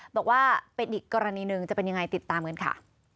บอกว่าเป็นอีกกรณีหนึ่งจะเป็นยังไงติดตามกันค่ะ